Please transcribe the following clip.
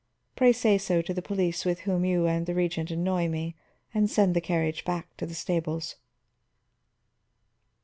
Pray say so to the police with whom you and the Regent annoy me, and send the carriage back to the stables."